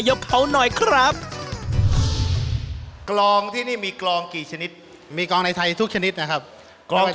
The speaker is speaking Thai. ถึงไหนต้อง